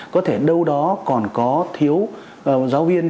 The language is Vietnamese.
có thể đâu đó còn có thiếu giáo viên